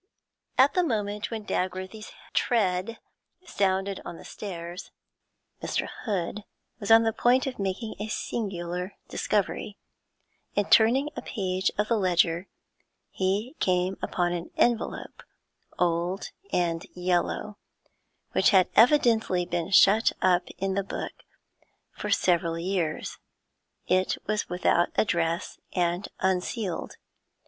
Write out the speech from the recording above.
At the moment when Dagworthy's tread sounded on the stairs, Mr. Hood was on the point of making a singular discovery. In turning a page of the ledger, he came upon an envelope, old and yellow, which had evidently been shut up in the hook for several years; it was without address and unsealed.